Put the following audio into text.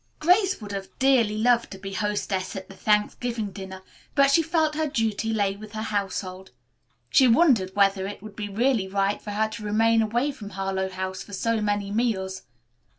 Grace would have dearly loved to be hostess at the Thanksgiving dinner, but she felt that her duty lay with her household. She wondered whether it would be really right for her to remain away from Harlowe House for so many meals.